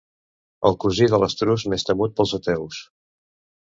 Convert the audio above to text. El cosí de l'estruç més temut pels ateus.